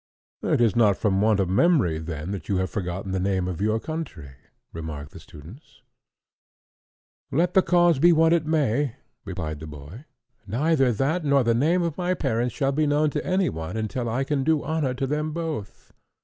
"It is not from want of memory, then, that you have forgotten the name of your country," remarked the students. "Let the cause be what it may," replied the boy, "neither that nor the name of my parents shall be known to any one until I can do honour to them both."